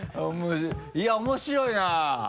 いや面白いな。